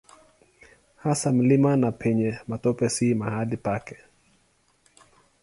Hasa mlimani na penye matope si mahali pake.